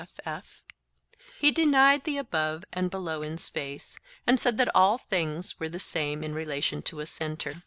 he denied the above and below in space, and said that all things were the same in relation to a centre.